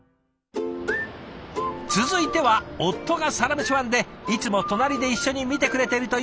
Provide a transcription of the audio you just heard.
続いては夫が「サラメシ」ファンでいつも隣で一緒に見てくれてるという画伯。